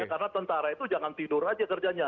karena tentara itu jangan tidur saja kerjanya